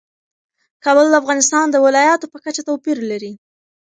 کابل د افغانستان د ولایاتو په کچه توپیر لري.